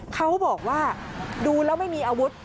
เขาบอกว่าดูแล้วไม่มีอาวุธ